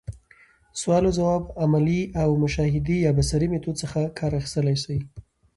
سوال اوځواب، عملي او مشاهدي يا بصري ميتود څخه کار اخستلاي سي.